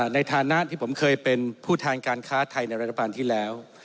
ในฐานะที่ผมเคยเป็นผู้แทนการค้าไทยในรัฐบาลที่แล้ว